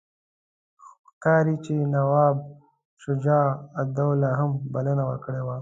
ښکاري چې نواب شجاع الدوله هم بلنه ورکړې وه.